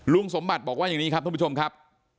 สมบัติบอกว่าอย่างนี้ครับท่านผู้ชมครับ